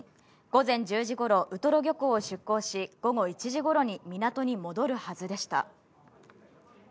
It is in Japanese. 午前１０時頃、ウトロ漁港を出航し、午後１時頃に港に戻るはずでした。